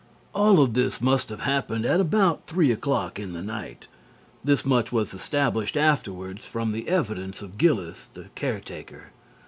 All of this must have happened at about three o'clock in the night. This much was established afterwards from the evidence of Gillis, the caretaker.